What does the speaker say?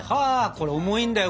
これ重いんだよ。